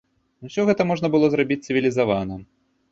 Усё гэта можна было зрабіць цывілізавана.